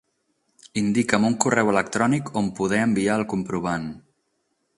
Indica'm un correu electrònic on poder enviar el comprovant.